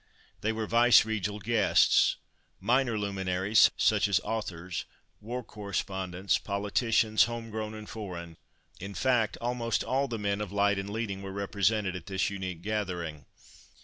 They were vice regal guests. Minor luminaries, such as authors, war correspondents, politicians, home grown and foreign—in fact almost all the men of "light and leading" were represented at this unique gathering.